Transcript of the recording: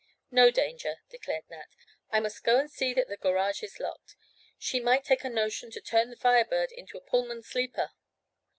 "No danger," declared Nat. "I must go and see that the garage is locked. She might take a notion to turn the Fire Bird into a Pullman sleeper."